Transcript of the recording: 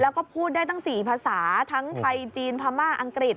แล้วก็พูดได้ตั้ง๔ภาษาทั้งไทยจีนพม่าอังกฤษ